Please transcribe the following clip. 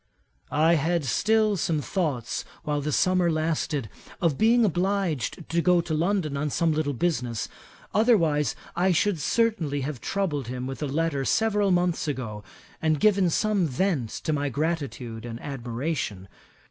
'"I had still some thoughts, while the summer lasted, of being obliged to go to London on some little business; otherwise I should certainly have troubled him with a letter several months ago, and given some vent to my gratitude and admiration.